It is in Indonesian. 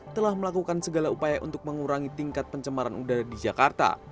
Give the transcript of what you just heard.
telah melakukan segala upaya untuk mengurangi tingkat pencemaran udara di jakarta